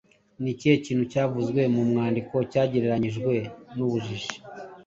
Ni ikihe kintu cyavuzwe mu mwandiko cyagereranyijwe n’ubujiji